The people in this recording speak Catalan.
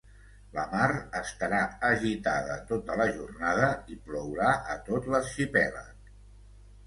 La mar estarà agitada tota la jornada i plourà a tot l’arxipèlag.